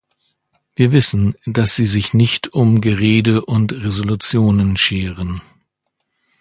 Wir wissen, dass sie sich nicht um Gerede und Resolutionen scheren.